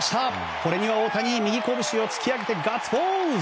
これには大谷、右こぶしを突き上げてガッツポーズ！